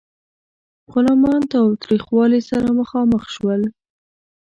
غلامان تاوتریخوالي سره مخامخ شول.